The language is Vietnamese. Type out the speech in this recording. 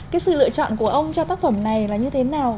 cái sự lựa chọn của ông cho tác phẩm này là như thế nào